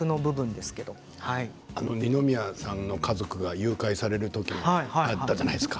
二宮さんの家族が誘拐される時にあったじゃないですか。